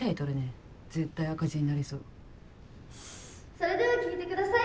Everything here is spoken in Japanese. それでは聞いてください。